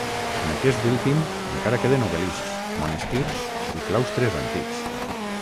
En aquest últim encara queden obeliscs, monestirs i claustres antics.